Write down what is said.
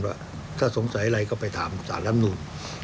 ว่าถ้าสงสัยอะไรก็ไปถามสารลำนูน